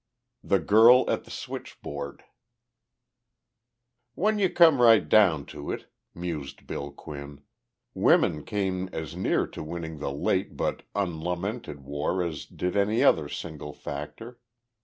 X THE GIRL AT THE SWITCHBOARD "When you come right down to it," mused Bill Quinn, "women came as near to winning the late but unlamented war as did any other single factor.